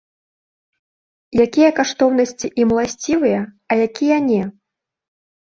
Якія каштоўнасці ім уласцівыя, а якія не?